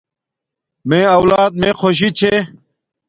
میے اولاد میے خوشی چھے